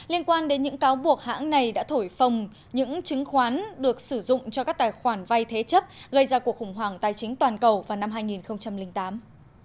liên quan đến những cáo buộc hãng này đã thổi phồng những chứng khoán được sử dụng cho các tài khoản vay thế chấp gây ra cuộc khủng hoảng tài chính toàn cầu vào năm hai nghìn tám